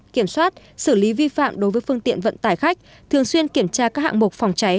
kiểm soát xử lý vi phạm đối với phương tiện vận tải khách thường xuyên kiểm tra các hạng mục phòng cháy